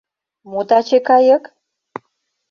Мо таче кайык?